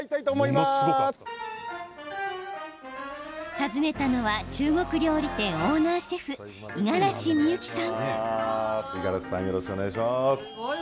訪ねたのは中国料理店オーナーシェフ五十嵐美幸さん。